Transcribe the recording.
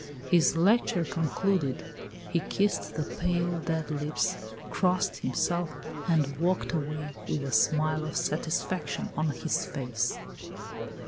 His lecture concluded, he kissed the pale, dead lips, crossed himself, and walked away with a smile of satisfaction on his face.